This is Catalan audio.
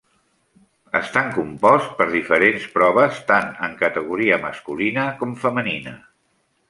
Estan composts per diferents proves tant en categoria masculina com femenina.